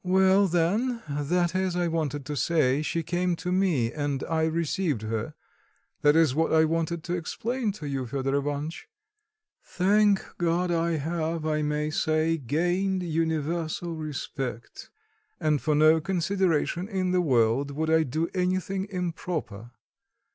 "Well, then, that is, I wanted to say, she came to me, and I received her; that is what I wanted to explain to you, Fedor Ivanitch. Thank God I have, I may say, gained universal respect, and for no consideration in the world would I do anything improper.